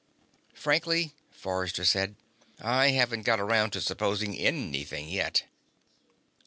"Frankly," Forrester said, "I haven't got around to supposing anything yet."